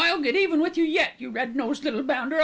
"I'll get even with you yet, you red nosed little bounder!